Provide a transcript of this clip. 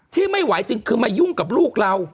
ที่ไม่ไหวจริงคือมายุ่งกับลูกเรา